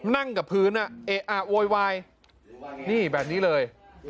นั่งกับพื้นโวยวายนี่แบบนี้เลย